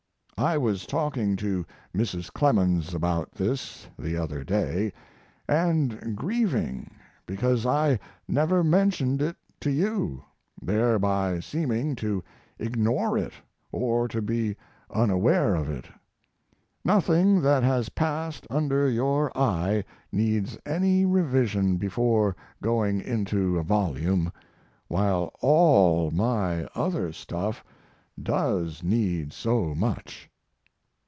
I was talking to Mrs. Clemens about this the other day, and grieving because I never mentioned it to you, thereby seeming to ignore it or to be unaware of it. Nothing that has passed under your eye needs any revision before going into a volume, while all my other stuff does need so much.